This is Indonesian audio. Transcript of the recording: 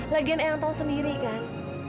lagian eang tau sendiri kan